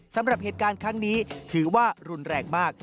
สำหรับเหตุการณ์ครั้งนี้ถือว่ารุนแรงมาก